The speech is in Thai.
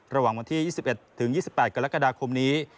ระหว่างวันที่๒๑๒๘กรกฎาคมนี้